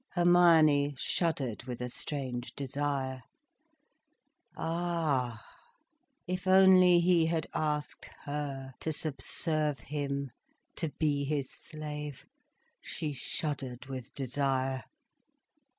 Hermione shuddered with a strange desire. Ah, if only he had asked her to subserve him, to be his slave! She shuddered with desire.